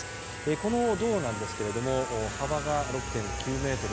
この道路なんですが幅が６．９ｍ。